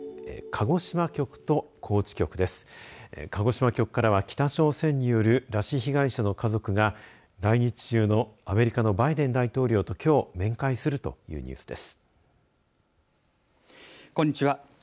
鹿児島局からは北朝鮮による拉致被害者の家族が来日中のアメリカのバイデン大統領ときょう面会するというニュースです。